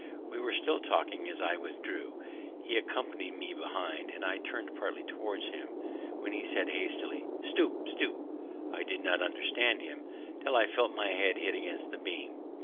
We were still talking as I withdrew, he accompanying me behind, and I turning partly towards him, when he said hastily, "Stoop, stoop!" I did not understand him, till I felt my head hit against the beam.